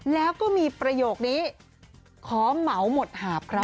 แล้วก็มีประโยคนี้ขอเหมาหมดหาบครับ